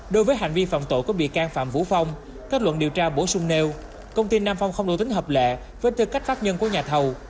đối với hành vi phạm tội của bị can phạm vũ phong kết luận điều tra bổ sung nêu công ty nam phong không đủ tính hợp lệ với tư cách pháp nhân của nhà thầu